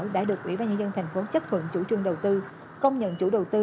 đã được ubnd tp hcm chấp thuận chủ trương đầu tư công nhận chủ đầu tư